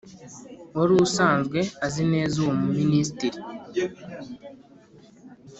wari usanzwe azi neza uwo muminisititri